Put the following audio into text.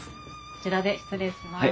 こちらで失礼します。